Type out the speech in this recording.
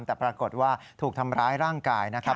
แต่ปรากฏว่าถูกทำร้ายร่างกายนะครับ